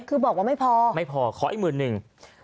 คือบอกว่าไม่พอไม่พอขออีกหมื่นหนึ่ง